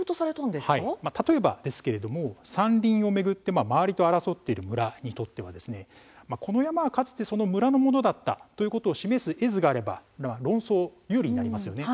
例えば山林を巡って周りと争っている村にとってはこの山はかつて村のものだったということを示す絵図があれば論争が有利になりますよね。